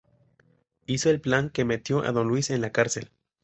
Hizo el plan que metió a Don Luis en la cárcel.